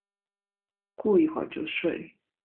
过一会就睡